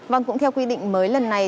vâng cũng theo quy định mới lần này